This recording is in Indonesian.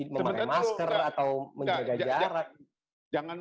memakai masker atau menjaga jarak